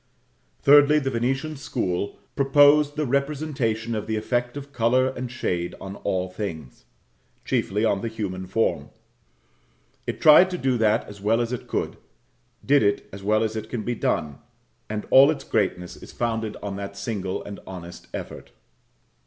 Thirdly, the Venetian school propose the representation of the effect of colour and shade on all things; chiefly on the human form. It tried to do that as well as it could did it as well as it can be done and all its greatness is founded on that single and honest effort.